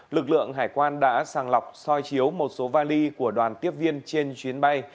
lực lượng hải quan đã sàng lọc soi chiếu một số vali của đoàn tiếp viên trên chuyến bay